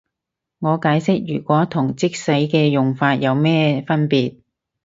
我解釋如果同即使嘅用法有咩分別